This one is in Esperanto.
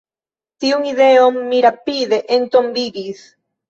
Tiun ideon mi rapide entombigis.